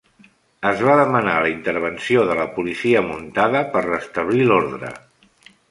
Es va demanar la intervenció de la policia muntada per restablir l'ordre.